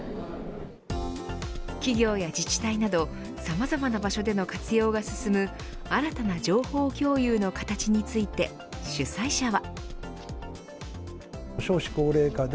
企業や自治体などさまざまな場所での活用が進む新たな情報共有の形について主催者は。